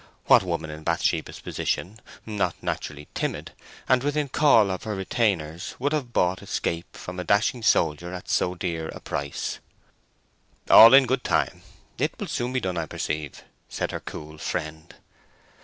What woman in Bathsheba's position, not naturally timid, and within call of her retainers, would have bought escape from a dashing soldier at so dear a price? "All in good time; it will soon be done, I perceive," said her cool friend.